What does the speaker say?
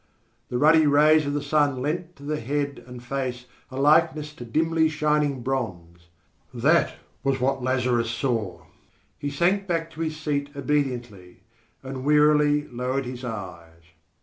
The ruddy rays of the sun lent to the head and face a likeness to dimly shining bronze that was what Lazarus saw. He sank back to his seat obediently, and wearily lowered his eyes.